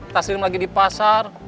taslim lagi di pasar